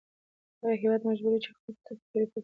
هغه هېواد مجبوروي چې خپل توکي ترې وپېري